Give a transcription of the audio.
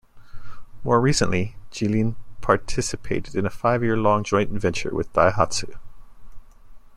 More recently, Jilin participated in a five-year-long joint venture with Daihatsu.